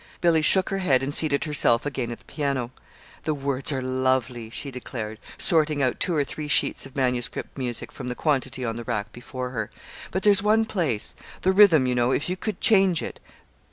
Billy shook her head and seated herself again at the piano. "The words are lovely," she declared, sorting out two or three sheets of manuscript music from the quantity on the rack before her. "But there's one place the rhythm, you know if you could change it.